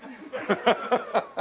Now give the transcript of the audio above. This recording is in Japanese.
アハハハ。